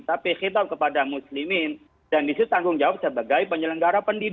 tapi kitab kepada muslimin